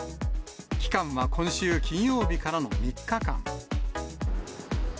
期間は今週金曜日からの３日間。